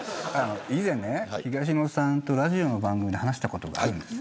以前、東野さんとラジオ番組で話したことがあるんです。